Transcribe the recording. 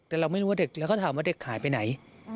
แต่เราไม่รู้ว่าเด็กแล้วก็ถามว่าเด็กหายไปไหน